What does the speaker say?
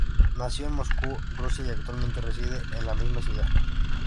Nació en Moscú, Rusia, y actualmente reside en la misma ciudad.